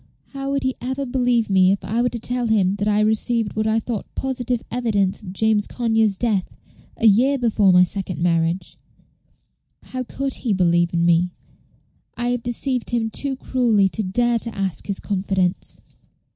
"How would he ever believe me if I were to tell him that I had received what I thought positive evidence of James Conyers' death a year before my second marriage? How could he believe in me? I have deceived him too cruelly to dare to ask his confidence."